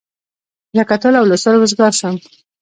له کتلو او لوستلو وزګار شوم.